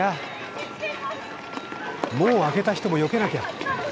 門を開けた人も避けなきゃ。